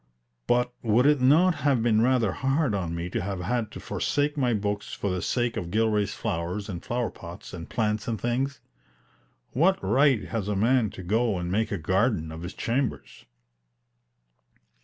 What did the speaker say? But would it not have been rather hard on me to have had to forsake my books for the sake of Gilray's flowers and flower pots and plants and things? What right has a man to go and make a garden of his chambers?